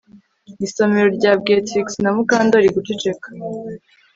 Isomero ryabwiye Trix na Mukandoli guceceka